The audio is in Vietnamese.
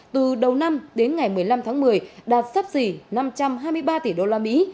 từ đầu năm đến ngày một mươi năm tháng một mươi đạt sắp xỉ năm trăm hai mươi ba tỷ đô la mỹ